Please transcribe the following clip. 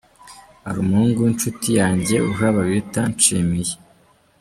Hari umuhungu w’inshuti yanjye uhaba bita Nshimiye.